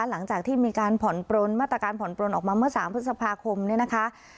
หลังจากที่มีการผ่อนปลนมาตรการผ่อนปลนออกมาเมื่อ๓พฤษภาคมเนี่ยนะคะ